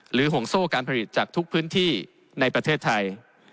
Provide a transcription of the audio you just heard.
ห่วงโซ่การผลิตจากทุกพื้นที่ในประเทศไทย